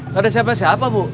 nggak ada siapa siapa bu